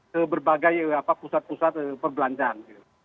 ke berbagai pusat pusat perbelanjaan